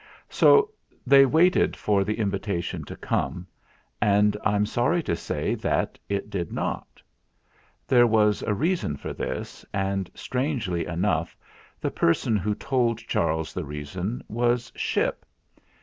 So they waited for the invitation to come; and I'm sorry to say that it did not. There was a reason for this, and, strangely enough, the person who told Charles the reason was Ship.